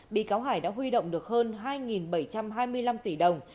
bị cáo hải đã huy động được hơn hai bảy trăm hai mươi năm tỷ đồng